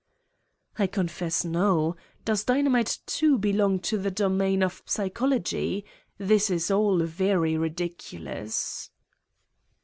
"I confess, no. Does dynamite, too, belong to the domain of psychology? This is all very ridiculous."